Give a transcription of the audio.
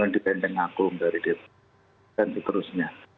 dipendeng agung dari dki dan seterusnya